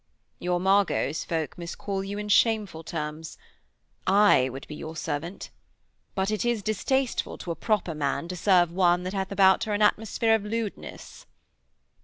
'Your Margot's folk miscall you in shameful terms. I would be your servant; but it is distasteful to a proper man to serve one that hath about her an atmosphere of lewdness.'